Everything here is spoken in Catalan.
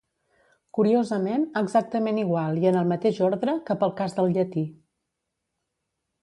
Curiosament, exactament igual i en el mateix ordre que pel cas del llatí.